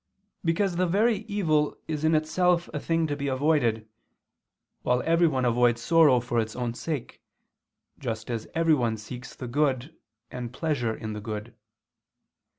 Because the very evil is in itself a thing to be avoided: while everyone avoids sorrow for its own sake, just as everyone seeks the good, and pleasure in the good.